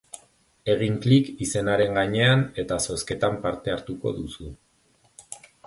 Egin klik izenaren gainean eta zozketan parte hartuko duzu.